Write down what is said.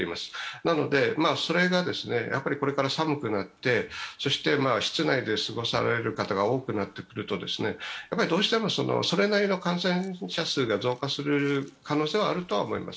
なのでそれがこれから寒くなって、そして室内で過ごされる方が多くなってくると、どうしても、それなりの感染者数が増加する可能性はあると思います。